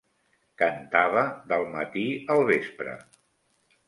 Cantava del matí al vespre